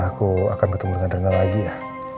aku akan ketemu dengan rina lagi ya